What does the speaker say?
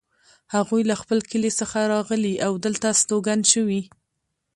هغوی له خپل کلي څخه راغلي او دلته استوګن شوي